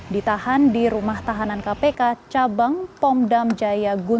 ditahan di rumah tahanan kpk cabang pondam jayapura